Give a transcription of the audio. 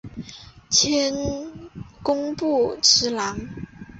迁工部侍郎。